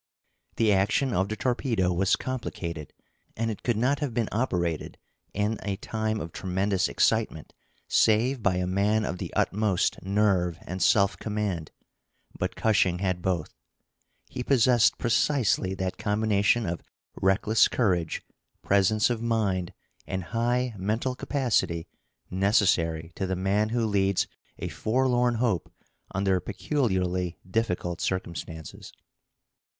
The action of the torpedo was complicated, and it could not have been operated in a time of tremendous excitement save by a man of the utmost nerve and self command; but Cushing had both. He possessed precisely that combination of reckless courage, presence of mind, and high mental capacity necessary to the man who leads a forlorn hope under peculiarly difficult circumstances.